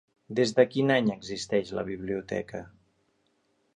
Des de quin any existeix la biblioteca?